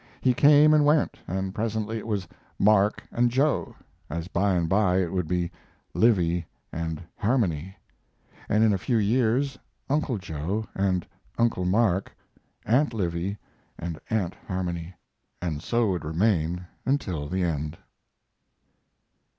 He came and went, and presently it was "Mark" and "Joe," as by and by it would be "Livy" and "Harmony," and in a few years "Uncle Joe" and "Uncle Mark," "Aunt Livy" and "Aunt Harmony," and so would remain until the end.